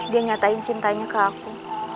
dia nyatain cintanya ke aku